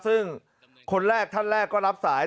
ซึ่งคนแรกท่านแรกก็รับสาย